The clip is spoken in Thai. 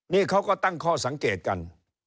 นี่เขาก็ตั้งข้อสังเกตกัน